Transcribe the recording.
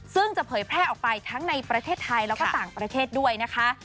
ซึ่งจะเผยแพร่ออกไปทั้งในประเทศไทยแล้วก็ต่างประเทศด้วยนะคะ